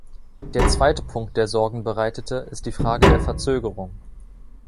Der zweite Punkt, der Sorgen bereitete, ist die Frage der Verzögerung.